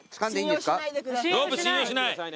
ロープ信用しない。